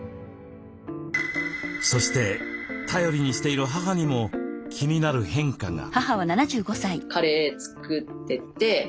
そして頼りにしている母にも気になる変化が。